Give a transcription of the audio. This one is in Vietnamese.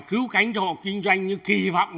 cứu cánh cho hộ kinh doanh như kỳ vọng